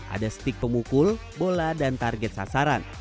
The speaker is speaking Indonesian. ada stik pemukul bola dan target sasaran